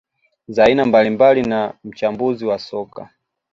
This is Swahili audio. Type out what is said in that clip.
za aina mbalimbali na mchambuzi wa soka